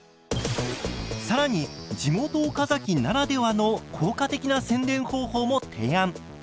更に地元・岡崎ならではの効果的な宣伝方法も提案！